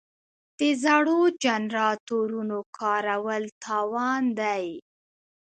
د زړو جنراتورونو کارول تاوان دی.